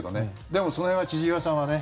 でも、その辺は千々岩さんはね